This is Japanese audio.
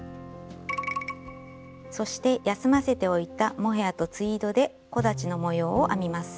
そして休ませておいたモヘアとツイードで木立の模様を編みます。